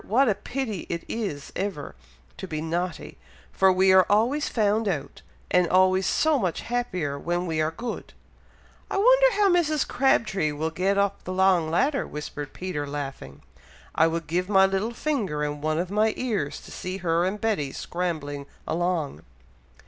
what a pity it is ever to be naughty, for we are always found out, and always so much happier when we are good!" "I wonder how Mrs. Crabtree will get up the long ladder?" whispered Peter, laughing. "I would give my little finger, and one of my ears, to see her and Betty scrambling along!"